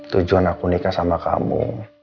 tujuan aku nikah sama kamu